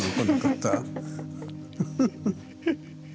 フフフフ！